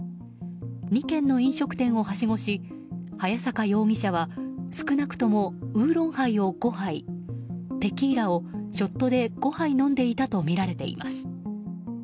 ２軒の飲食店をはしごし早坂容疑者は少なくともウーロンハイを５杯テキーラをショットで５杯飲んでいたとみられています。